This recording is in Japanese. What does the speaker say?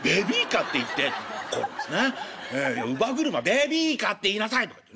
「ベビーカーって言いなさい」とかってね。